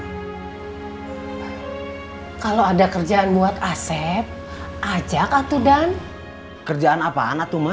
hai kalau ada kerjaan buat aset ajak atu dan kerjaan apaan atuma